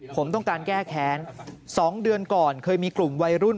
ผมต้องการแก้แค้น๒เดือนก่อนเคยมีกลุ่มวัยรุ่น